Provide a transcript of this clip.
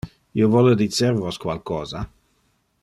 Io vole dicer vos qualcosa.